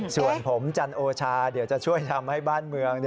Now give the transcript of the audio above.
ส่วนผมจันโอชาเดี๋ยวจะช่วยทำให้บ้านเมือง